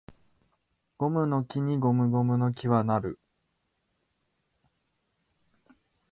ゴムの木にゴムゴムの木は成る